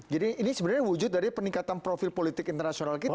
jadi ini sebenarnya wujud dari peningkatan profil politik internasional kita